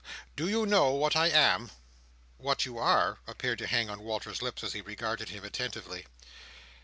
Do you know what I am?" "What you are!" appeared to hang on Walter's lips, as he regarded him attentively.